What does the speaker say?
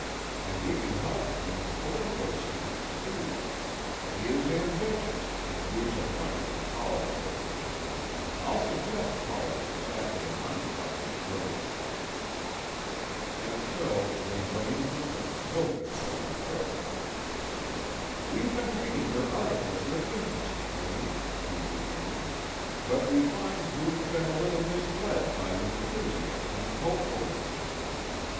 And we can help him in his political schemes, too. He is ambitious, and we shall want him in politics. I'll suggest politics after the money part is broached." And so, when Braine entered, Hildreth was equipped. "We've been reading your articles with interest, Braine," he began, "but we find you've been a little misled by your enthusiasm and hopefulness."